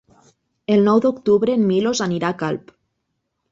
El nou d'octubre en Milos anirà a Calp.